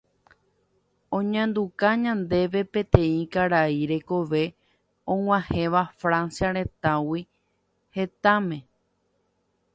Oñanduka ñandéve peteĩ karai rekove og̃uahẽva Francia retãgui hetãme